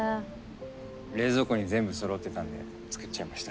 冷蔵庫に全部そろってたんで作っちゃいました。